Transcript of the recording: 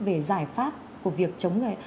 về giải pháp của việc chống người